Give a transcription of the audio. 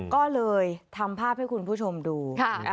ก็เลยทำภาพให้คุณผู้ชมดู